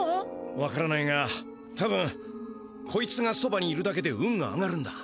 わからないがたぶんこいつがそばにいるだけで運が上がるんだ。